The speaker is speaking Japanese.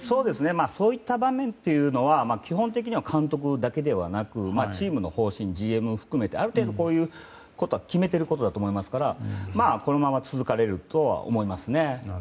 そういった場面というのは基本的には監督だけではなくチームの方針ＧＭを含めてある程度こういうことは決めていることだと思いますからこのまま続けられるとは思いますね。